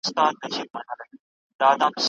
نړیوال کنفرانسونه د ستونزو په حل کي مرسته کوي.